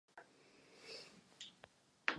Máme více obětí nucené práce.